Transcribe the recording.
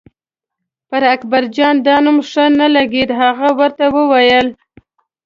پر اکبرجان دا نوم ښه نه لګېده، هغه ورته وویل.